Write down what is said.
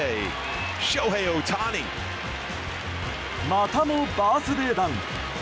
またも、バースデー弾。